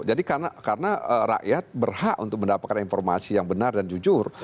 karena rakyat berhak untuk mendapatkan informasi yang benar dan jujur